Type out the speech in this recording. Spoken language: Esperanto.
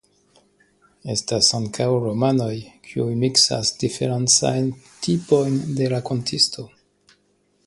Estas ankaŭ romanoj kiuj miksas diferencajn tipojn de rakontisto.